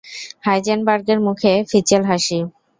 হাইজেনবার্গের মুখে ফিচেল হাসি।